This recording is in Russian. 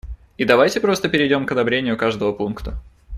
И давайте просто перейдем к одобрению каждого пункта.